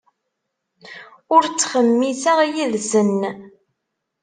Ur ttxemmiseɣ yid-sen.